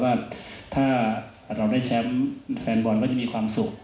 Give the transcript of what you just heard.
ว่าถ้าเราได้แชมป์แฟนบอลก็จะมีความสุข